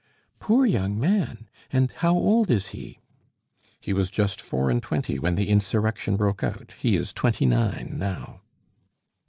"Poor young man! And how old is he?" "He was just four and twenty when the insurrection broke out he is twenty nine now."